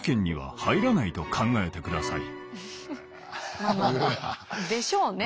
まあまあまあでしょうね。